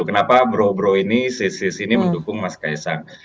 kenapa bro bro ini sisi sisi ini mendukung mas ks sang